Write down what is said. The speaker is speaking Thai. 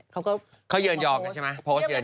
เค้าเหยยอมแบบนั้นใช่ไหม